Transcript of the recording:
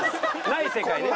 ない世界ね。